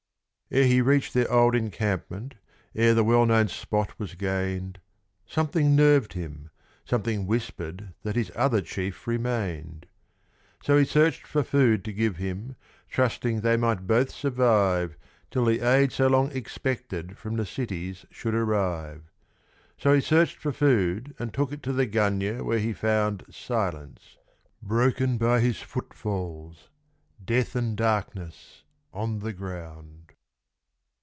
..... Ere he reached their old encampment ere the well known spot was gained, Something nerved him something whispered that his other chief remained. So he searched for food to give him, trusting they might both survive Till the aid so long expected from the cities should arrive; So he searched for food and took it to the gunyah where he found Silence broken by his footfalls death and darkness on the ground.